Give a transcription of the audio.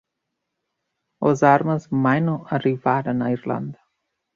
Les armes mai no arribaren a Irlanda.